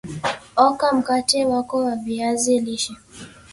oka mkate wako wa viazi lishe